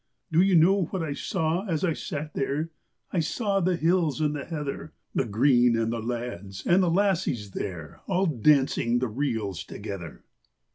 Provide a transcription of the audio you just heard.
Do you know what I saw as I sat there? I saw the hills and the heather, The green, and the lads and the lassies there All dancing the reels together.